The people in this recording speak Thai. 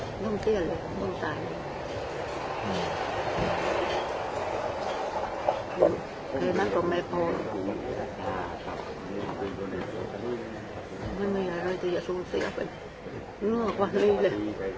หนุ่มเตี๊ยนเลย